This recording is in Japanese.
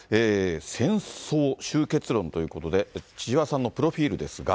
戦争終結論ということで、千々和さんのプロフィールですが。